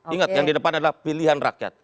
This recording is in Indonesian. ingat yang di depan adalah pilihan rakyat